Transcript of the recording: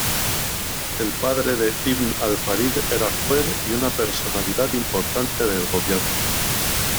El padre de Ibn al-Farid era juez y una personalidad importante del gobierno.